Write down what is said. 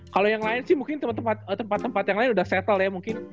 kalau yang lain sih mungkin tempat tempat yang lain udah settle ya mungkin